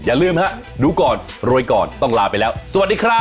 อย่าลืมฮะดูก่อนรวยก่อนต้องลาไปแล้วสวัสดีครับ